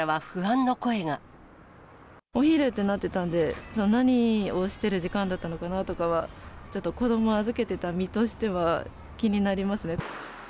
お昼ってなってたんで、何をしてる時間だったのかなとかは、ちょっと子ども預けてた身としては気になりますね。